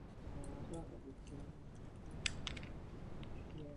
Jinak vás nebude moci socialistická skupina v Evropském parlamentu podporovat.